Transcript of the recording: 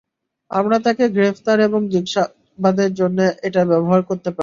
আমরা তাকে গ্রেফতার এবং জিজ্ঞাসাবাদের জন্যে কি এটা ব্যবহার করতে পারি?